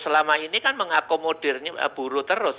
selama ini kan mengakomodir buru terus